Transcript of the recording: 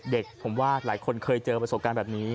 เด็กผมว่าหลายคนเคยเจอประสบการณ์แบบนี้